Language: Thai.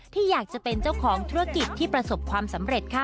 ที่อยากจะเป็นเจ้าของธุรกิจที่ประสบความสำเร็จค่ะ